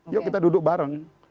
yuk kita duduk bareng